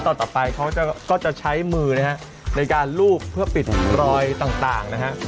ต่อไปเขาก็จะใช้มือนะฮะในการลูบเพื่อปิดรอยต่างนะฮะ